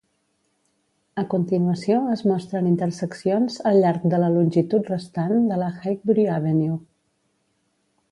A continuació es mostren interseccions al llarg de la longitud restant de la Highbury Avenue.